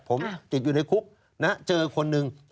ผมติดอยู่ในคุกนะเจอคนหนึ่ง